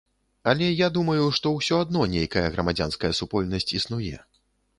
Але я думаю, што ўсё адно нейкая грамадзянская супольнасць існуе.